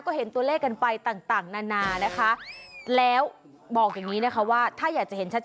ก็เห็นตัวเลขกันไปต่างนานานะคะแล้วบอกอย่างนี้นะคะว่าถ้าอยากจะเห็นชัด